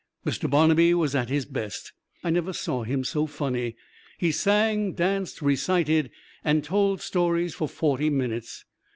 Mr. Barnabee was at his best I never saw him so funny. He sang, danced, recited, and told stories for forty minutes.